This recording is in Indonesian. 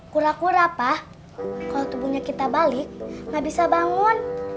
kura kura pa kalau tubuhnya kita balik gak bisa bangun